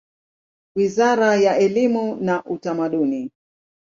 Wizara ya elimu na Utamaduni.